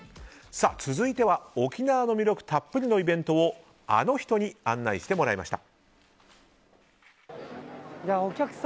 続いては沖縄の魅力たっぷりのイベントをあの人に案内してもらいました。